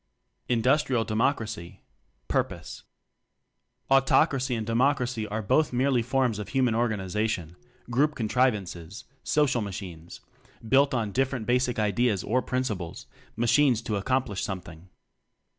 Industrial Democracy Purpose. Autocracy and Democracy are both merely forms of human organization, group contrivances social machines built on different basic ideas or prin ciples; machines to accomplish some thing.